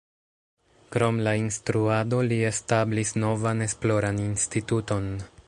Krom la instruado, li establis novan esploran instituton.